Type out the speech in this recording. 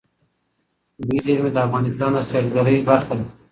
طبیعي زیرمې د افغانستان د سیلګرۍ برخه ده.